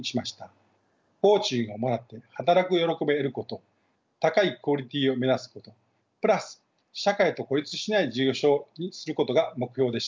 工賃をもらって働く喜びを得ること高いクオリティーを目指すことプラス社会と孤立しない事業所にすることが目標でした。